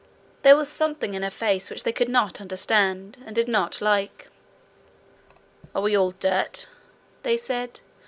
There was something in her face which they could not understand, and did not like. 'Are we all dirt?' they said.